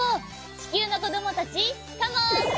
ちきゅうのこどもたちカモン！